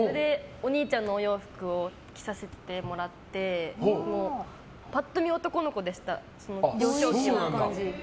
お兄ちゃんのお洋服を着させてもらってパッと見、男の子でした幼少期は。